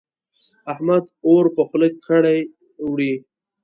احمد اور په خوله کړې وړي.